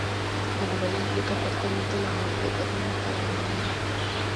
La novela implica fuertemente el amor de Edmund para Maria.